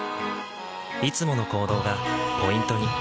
いつもの行動がポイントに。